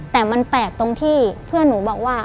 แต่มันแปลกตรงที่เพื่อนหนูบอกว่า